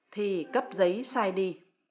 thì cấp giấy sai đi